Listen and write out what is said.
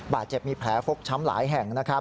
บาดเจ็บมีแผลฟกช้ำหลายแห่ง